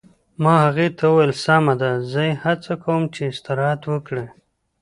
ما هغې ته وویل: سمه ده، زه یې هڅه کوم چې استراحت وکړي.